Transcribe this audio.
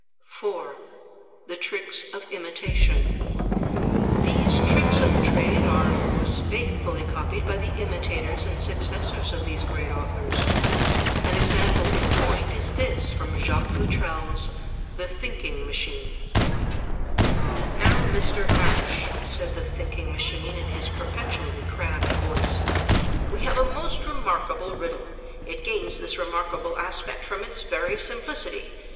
4, The Tricks of Imitation These tricks of the trade are of course faithfully copied by the imitators and successors of these great authors. An example in point is this from Jacques Futrelle's "The Thinking Machine;'' "Now, Mr. Hatch," said The Thinking Machine in his perpetu ally crabbed voice, "we have a most remarkable riddle. It gains this remarkable aspect from its very simplicity.